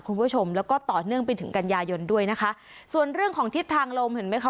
คุณผู้ชมแล้วก็ต่อเนื่องไปถึงกันยายนด้วยนะคะส่วนเรื่องของทิศทางลมเห็นไหมคะ